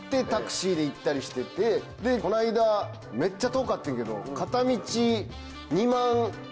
この間めっちゃ遠かってんけど。